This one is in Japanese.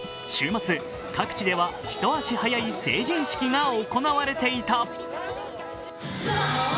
週末、各地では一足早い成人式が行われていた。